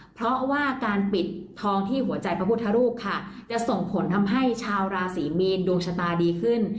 เพราะว่าการปิดทองที่หัวใจพระพุทธรูปค่ะจะส่งผลทำให้ชาวราศีมีนดวงชะตาดีขึ้น